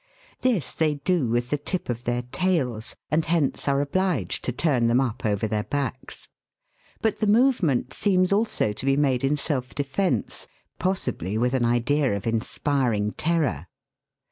This they do with the tip of their tails, and hence are obliged to turn them up over their backs ; but the movement seems also to be made in self defence, possibly with an idea of in spiring terror.